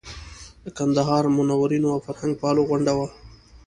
د کندهار منورینو او فرهنګپالو غونډه وه.